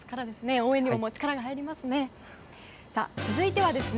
応援にも力が入りますね。